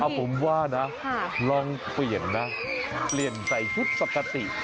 ผมว่านะลองเปลี่ยนนะเปลี่ยนใส่ชุดปกติ